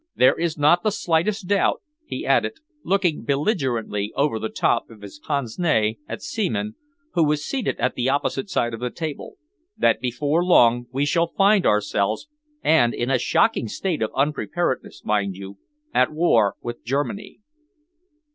There is not the slightest doubt," he added, looking belligerently over the top of his pince nez at Seaman, who was seated at the opposite side of the table, "that before long we shall find ourselves and in a shocking state of unpreparedness, mind you at war with Germany."